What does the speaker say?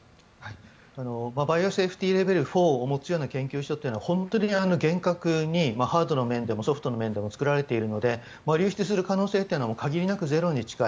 バイオセーフティーレベル４を持つような研究所は本当に厳格にハードの面でもソフトの面でも作られているので流出する可能性も限りなくゼロに近い。